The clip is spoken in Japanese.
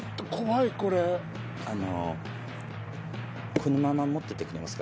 このまま持っててくれますか